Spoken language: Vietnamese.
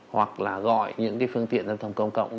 hoặc là gọi những cái phương tiện giao thông công cộng